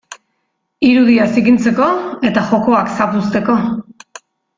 Irudia zikintzeko eta jokoak zapuzteko.